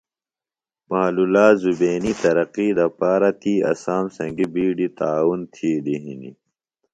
پالولا زبینی ترقی دپارہ تی اسام سنگیۡ بیڈیۡ تعاون تھیلیۡ ہِنیۡ